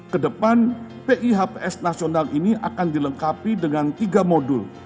kedepan pihps nasional ini akan dilengkapi dengan tiga modul